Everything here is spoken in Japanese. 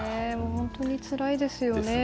本当につらいですよね。